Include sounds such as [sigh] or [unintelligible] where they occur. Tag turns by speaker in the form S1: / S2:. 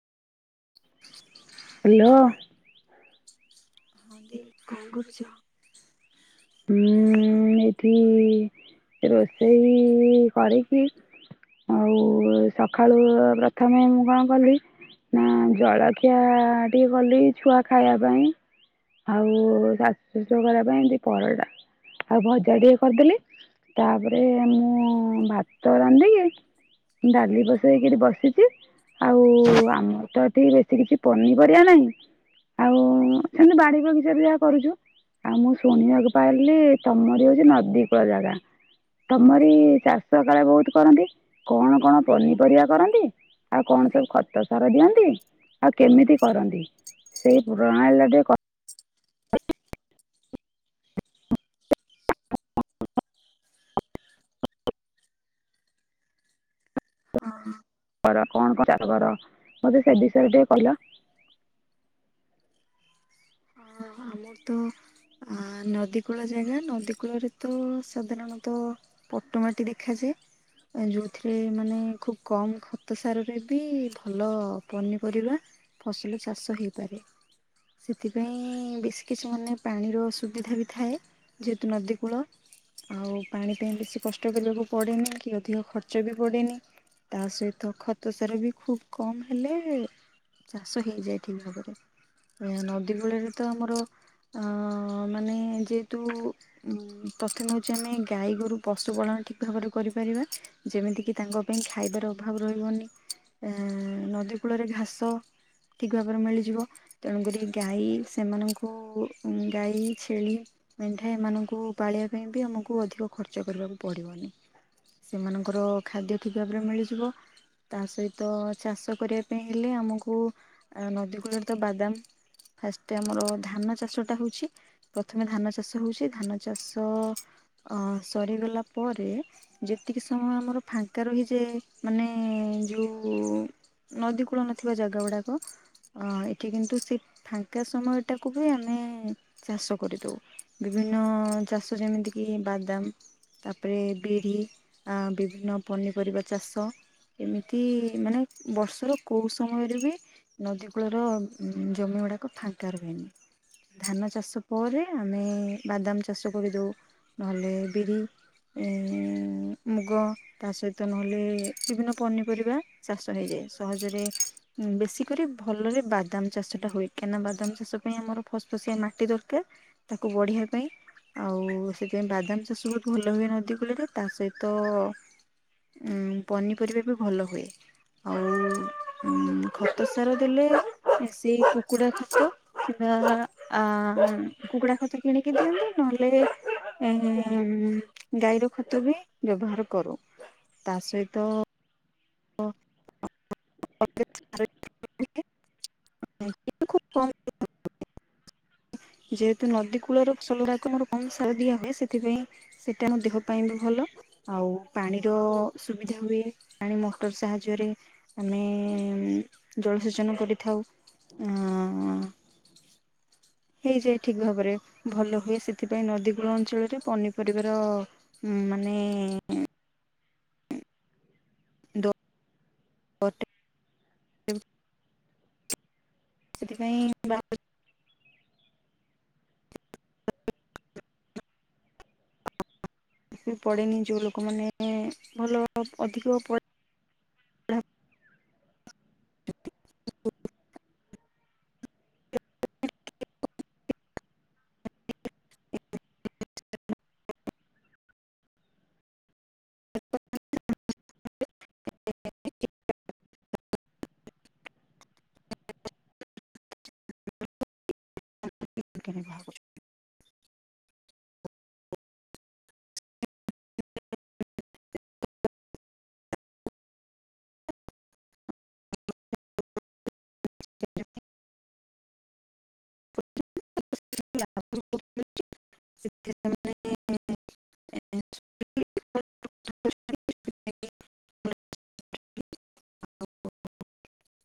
S1: Hello.
S2: ହଁ [inaudible] କଣ କରୁଛ?
S1: ହଁ ଏଠି ରୋଷେଇ କରିକି ଆଉ ସକାଳୁ ପ୍ରଥମେ ମୁଁ କଣ କଲି ନା ଜଳଖିଆ ଟିକେ କଲି ଛୁଆ ଖାଇବା ପାଇଁ। ଆଉ [inaudible] କରିବା ପାଇଁ କି ପରଟା। ଆଉ ଭଜା ଟିକେ କରିଦେଲି ତାପରେ ମୁଁ ଭାତ ରାନ୍ଧି ଡାଲି ବସେଇକିରି ବସିଛି। ଆଉ ଆମର ତ ଏଠି ବେଶୀ କିଛି ପନିପରିବା ନାହିଁ। ଆଉ ସେମିତି ବାଡି ବଗିଚା ବି ଯାହା କରୁଛୁ। ଆଉ ମୁଁ ଶୁଣିବାକୁ ପାଇଲିି ତମରି ହେଉଛି ନଦୀ କୂଳ ଜାଗା ତମରି ଚାଷ କାଳେ ବହୁତ କରନ୍ତି କଣ କଣ ପନିପରିବା କରନ୍ତି? ଆଉ କଣ ସବୁ ଖତ ସାର ଦିଅନ୍ତି? ଆଉ କେମିତି କରନ୍ତି ସେଇ ପୁୁରଣା [inaudible] [unintelligible]
S2: ହଁ।
S1: କଣ କଣ ଚାଷ କର ମତେ ସେ ବିଷୟରେ ଟିକେ କହିଲ।
S2: ଆମର ତ ଆ ନଦୀ କୂଳ ଜାଗା ନଦୀ କୂଳରେ ତ ସାଧାରଣତଃ ପଟୁ ମାଟି ଦେଖାଯାଏ। ଯୋଉଥିରେ ମାନେ ଖୁବ କମ ଖତ ସାରରେ ବି ଭଲ ପନିପରିବା ଫସଲ ଚାଷ ହେଇପାରେ ସେଥିପାଇଁ ବେଶୀ କିଛି ମାନେ ପାଣିର ସୁୁବିଧା ବି ଥାଏ। ଯେହେତୁ ନଦୀ କୂଳ। ଆଉ ପାଣି ପାଇଁ ବେଶୀ କଷ୍ଟ କରିବାକୁ ପଡ଼େନି କି ଅଧିକ ଖର୍ଚ୍ଚ ବି ପଡ଼େନି। ତା ସହିତ ଖତ ସାରା ବି ଖୁବ କମ୍ ହେଲେ ଚାଷ ହେଇଯାଏ ଠିକ ଭାବରେ ନ ଦୀପଳିରେ ତ ଆମର ଆ ମାନେ ଯେହେତୁ ପ୍ରଥମ ହେଉଛି ଆମେ ଆମେ ଗାଈ ଗୋରୁ ପଶୁ ପାଳନ ଠିକ ଭାବରେ କରିପାରିବା। ଯେମିତି କିି ତାଙ୍କ ପାଇଁ ଖାଇବାର ଅଭାବ ରହିବନି। ଏ ନଦୀ କୂଳରେ ଘାସ ଠିକ ଭାବରେ ମିଳିଯିବ ତେଣୁକରି ଗାଈ ସେମାନଙ୍କୁ ଉଁ ଗାଈ ଛେଳି ମେଣ୍ଢା ଏମାନଙ୍କୁ ପାଳିବା ପାଇଁ ବି ଆମ ଆମକୁ ଅଧିକ ଖର୍ଚ୍ଚ କରିବାକୁ ପଡ଼ିବନି। ସେମାନଙ୍କର ଖାଦ୍ୟ ଠିକ୍ ଭାବରେ ମିଳିଯିବ। ତା ସହିତ ଚାଷ କରିବା ପାଇଁ ହେଲେ ଆମକୁ ନଦୀ କୂଳରେ ତ ବାଦାମ ଫାଷ୍ଟ ଆମର ଧାନ ଚାଷ ଟା ହଉଛି ପ୍ରଥମେ ଧାନ ଚାଷ ହଉଛି ଧାନ ଚାଷ ଅ ସରିଗଲା ପରେ ଯେତିକି ସମୟ ଆମର ଫାଙ୍କା ରହିଯାଏ ମାନେ ଯୋଉ ନଦୀକୂଳ ନଥିବା ଜାଗା ଗୁଡାକ ଅ ଏଠି କିନ୍ତୁ ସେ ଫାଙ୍କା ସମୟଟାକୁ ବି ଆମେ ଚାଷ କରିଦେଉ ବିଭିନ୍ନ ଚାଷ ଯେମିତି କି ଇଏ ବାଦାମ ତାପରେ ବିରି ବିଭିନ୍ନ ପନିପରିବା ଚାଷ ଏମିତି ମାନେ ବର୍ଷର କୋଉ ସମୟରେ ବି ନଦୀ କୂଳର ଜମି ଗୁଡାକ ଫାଙ୍କା ରୁହେନି। ଧାନ ଚାଷ ପରେ ଆମେ ବାଦାମ ଚାଷ କରିଦେଉ ନହେଲେ ବିରି ଏ ମୁଗ ତା ସହିତ ନହେଲେ ବିଭିନ୍ନ ପନିପରିବା ଚାଷ ହେଇଯାଏ। ସହଜରେ ବେଶୀ କରି ଭଲରେ ବାଦାମ ଚାଷ ଟା ହୁଏ। କାଇଁ ନା ବାଦାମ ଚାଷ ପାଇଁ ଆମର ଫସଫସିଆ ମାଟି ଦରକାର ତାକୁ ବଢିଆ ପାଇଁ ଆଉ ସେଥିପାଇଁ ବାଦାମ ଚାଷ ବହୁତ ଭଲ ହୁଏ ନଦୀ କୂଳରେ ତା ସହିତ ଉଁ ପନିପରିବା ବି ଭଲ ହୁଏ। ଆଉ ଖତ ସାର ଦେଲେ ସେ କୁକୁଡା ଖତ କି ବା ଆମର ଆ କୁକୁଡା ଖତ କିଣିକି ଦିଅନ୍ତି ନହେଲେ ଗାଈର ଖତ ବି ବ୍ୟବହାର କରୁ। ତା ସହିତ [inaudible] [unintelligible] ଯେହେତୁ ନଦୀ କୂଳରୁ [inaudible] ଭଲ ସାର ଦିଆ ହୁଏ ସେଥିପାଇଁ ସେଇଟା ଆମ ଦେହ ପାଇଁ ବି ଭଲ। ଆଉ ପାଣିର ସୁବିଧା ହୁଏ ପାଣି ମ କ୍ଟର ସାହାଯ୍ୟରେ ଆମେ ଜଳସେଚନ କରିଥାଉ। ଅଁ ହେଇଯାଏ ଠିକ୍ ଭାବରେ ଭଲ ହୁଏ ସେଥିପାଇଁ ନଦୀକୂଳ ଅଞ୍ଚଳରେ ପନିପରିବାର ମାନେ [inaudible] ସେଥିପାଇଁ ବା [inaudible] ବି ପଡେନି ଯେଉଁ ଲୋକମାନେ ଭଲ ଅଧିକ ପ [inaudible] [inaudible] [inaudible] [inaudible] [inaudible] [inaudible] [inaudible] [inaudible] [inaudible] [inaudible]